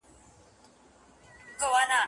نه بګړۍ سوه چاته پاته نه جرګې سته د سپین ږیرو